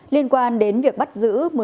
liên quan đến việc bắt giữ